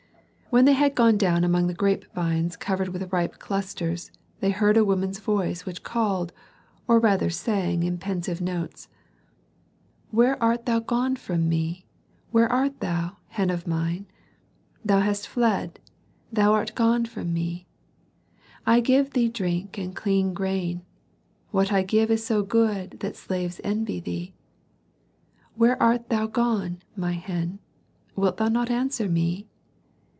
When they had gone down among grape vines covered with ripe clusters, they heard a woman's voice which called, or rather sang in pensive notes: "Where art thou gone from me, where art thou, hen of mine? Thou hast fled, thou art gone from me. I give thee drink and clean grain; what I give is so good that slaves envy thee. Where art thou gone, my hen wilt thou not answer me?